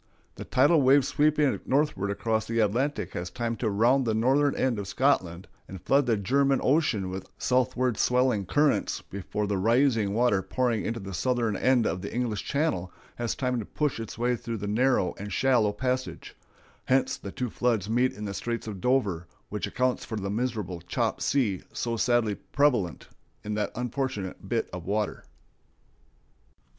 The tidal wave sweeping northward across the Atlantic has time to round the northern end of Scotland and flood the German Ocean with southward swelling currents before the rising water pouring into the southern end of the English Channel has time to push its way through that narrow and shallow passage; hence the two floods meet in the Straits of Dover, which accounts for the miserable chop sea so sadly prevalent in that unfortunate bit of water.